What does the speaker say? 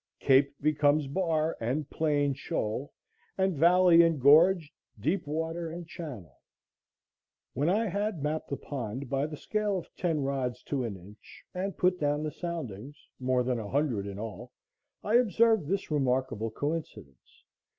Cape becomes bar, and plain shoal, and valley and gorge deep water and channel. When I had mapped the pond by the scale of ten rods to an inch, and put down the soundings, more than a hundred in all, I observed this remarkable coincidence.